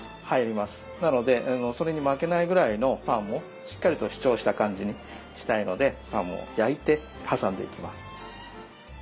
なのでそれに負けないぐらいのパンをしっかりと主張した感じにしたいのでパンを焼いて挟んでいきます。